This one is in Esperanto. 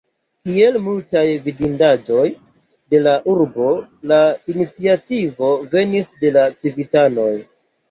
Kiel multaj vidindaĵoj de la urbo la iniciativo venis de la civitanoj.